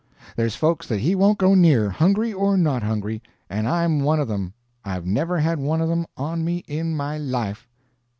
There's folks that he won't go near, hungry or not hungry, and I'm one of them. I've never had one of them on me in my life."